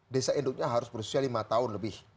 desa induknya harus berusia lima tahun lebih